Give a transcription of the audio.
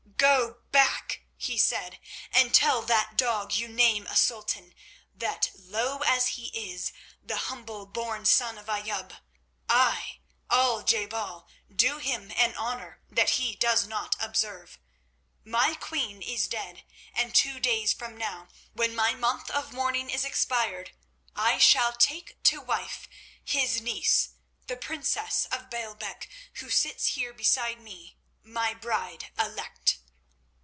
"Go back," he said, "and tell that dog you name a sultan, that low as he is, the humble born son of Ayoub, I, Al je bal, do him an honour that he does not observe. My queen is dead, and two days from now, when my month of mourning is expired, I shall take to wife his niece, the princess of Baalbec, who sits here beside me, my bride elect."